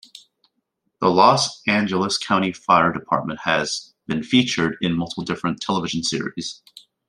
The Los Angeles County Fire Department has been featured in multiple different television series.